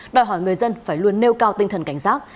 đòi hỏi người dân phải luôn nêu cao tinh thần cảnh giác